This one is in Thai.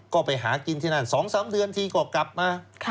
ก็ไปหากินที่นั่น๒๓เดือนทีก็กลับมา